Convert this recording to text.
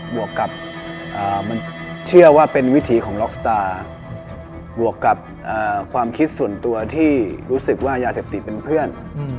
วกกับมันเชื่อว่าเป็นวิถีของล็อกสตาร์บวกกับความคิดส่วนตัวที่รู้สึกว่ายาเสพติดเป็นเพื่อน